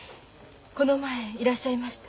この前いらっしゃいました。